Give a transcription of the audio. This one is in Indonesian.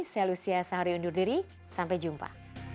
saya lucia sahari undur diri sampai jumpa